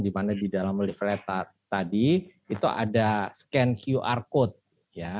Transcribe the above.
dimana di dalam lifereta tadi itu ada scan qr code ya